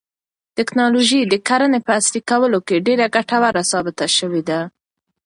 تکنالوژي د کرنې په عصري کولو کې ډېره ګټوره ثابته شوې ده.